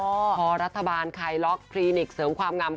พอรัฐบาลไครล็อกพรีนิกเสริมความงำ